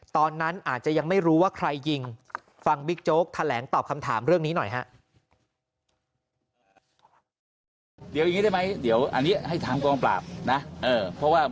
ตอนนั้นอาจจะยังไม่รู้ว่าใครยิงฟังบิ๊กโจ๊กแถลงตอบคำถามเรื่องนี้หน่อยฮะ